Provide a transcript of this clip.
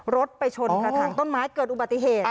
รถไปชนกระถางต้นไม้เกิดอุบัติเหตุ